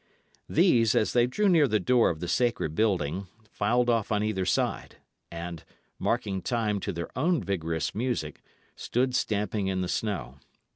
These, as they drew near the door of the sacred building, filed off on either side, and, marking time to their own vigorous music, stood stamping in the snow.